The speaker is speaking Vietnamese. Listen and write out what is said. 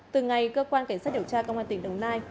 từ ngày cơ quan cảnh sát điều tra công an tỉnh đồng nai